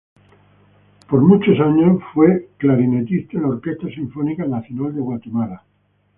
Por muchos años fue clarinetista en la Orquesta Sinfónica Nacional de Guatemala.